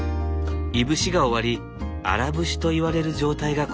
いぶしが終わり荒節といわれる状態がこちら。